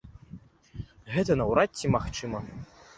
Гэта наўрад ці магчыма.